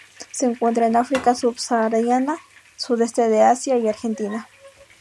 Se encuentra en África subsahariana, sudeste de Asia y Argentina.